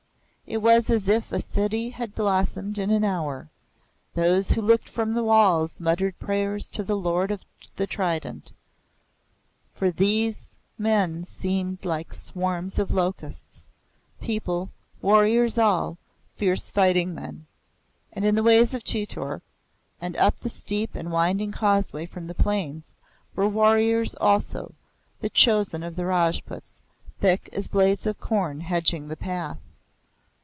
It was as if a city had blossomed in an hour. Those who looked from the walls muttered prayers to the Lord of the Trident; for these men seemed like the swarms of the locust people, warriors all, fierce fighting men. And in the ways of Chitor, and up the steep and winding causeway from the plains, were warriors also, the chosen of the Rajputs, thick as blades of corn hedging the path.